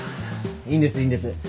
いいんですいいんです。